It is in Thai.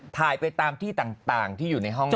ถ่ายไปตามที่ต่างที่อยู่ในห้อง